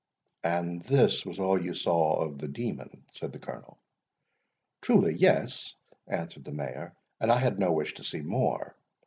"And this was all you saw of the demon?" said the Colonel. "Truly, yes," answered the Mayor; "and I had no wish to see more.